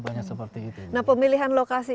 banyak seperti itu nah pemilihan lokasi